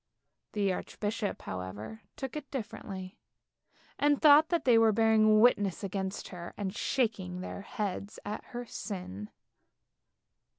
The archbishop however took it differently, and thought that they were bearing witness against her, and shaking their heads at her sin.